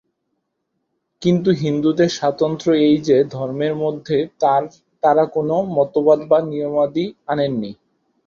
কিন্তু হিন্দুদের স্বাতন্ত্র্য এই যে, ধর্মের মধ্যে তারা কোন মতবাদ বা নিয়মাদি আনেনি।